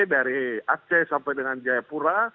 dari aceh sampai dengan jayapura